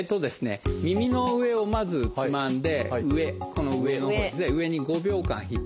耳の上をまずつまんで上この上のほうですね上に５秒間引っ張ります。